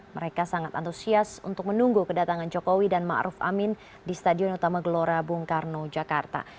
mereka sangat antusias untuk menunggu kedatangan jokowi dan ⁇ maruf ⁇ amin di stadion utama gelora bung karno jakarta